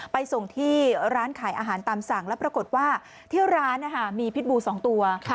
ไปส่งที่ร้านขายอาหารตามสั่งแล้วปรากฏว่าที่ร้านมีพิษบู๒ตัว